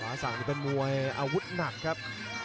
ฟ้าสังค์เป็นมวยอาวุธหนักครับ